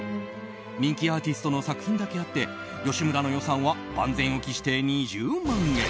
人気アーティストの作品だけあって吉村の予算は万全を期して２０万円。